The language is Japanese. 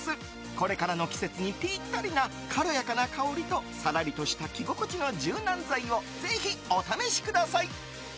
これからの季節にピッタリな軽やかな香りとさらりとした着心地の柔軟剤をぜひ、お試しください。